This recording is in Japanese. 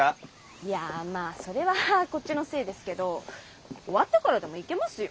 いやまあそれはこっちのせいですけどォ終わってからでも行けますよ。